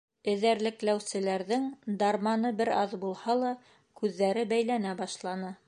Эҙәрлекләүселәрҙең дарманы бер аҙ булһа ла, күҙҙәре бәйләнә башланы.